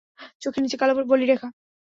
চোখের নিচে কালো বলিরেখা।